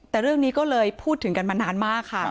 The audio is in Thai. แต่เรื่องนี้ก็เลยพูดถึงกันมานานมากค่ะ